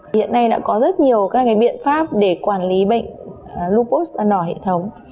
hiện nay đã có rất nhiều các biện pháp để quản lý bệnh lupus ban đỏ hệ thống